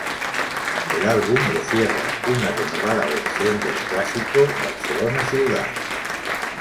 El álbum lo cierra una renovada versión del clásico "Barcelona ciudad".